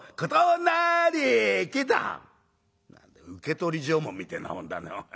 「受取証文みてえなもんだねおい。